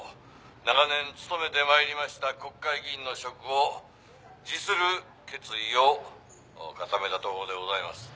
長年務めて参りました国会議員の職を辞する決意を固めたところでございます」